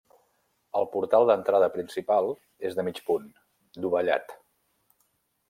El portal d'entrada principal és de mig punt, dovellat.